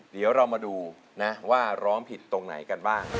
เดี๋ยวเรามาดูนะว่าร้องผิดตรงไหนกันบ้าง